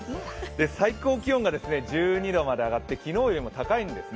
最高気温が１２度まで上がって、昨日よりも高いんですね。